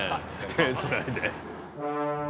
手をつないで。